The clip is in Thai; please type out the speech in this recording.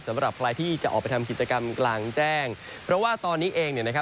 สำหรับใครที่จะออกไปทำกิจกรรมกลางแจ้งเพราะว่าตอนนี้เองเนี่ยนะครับ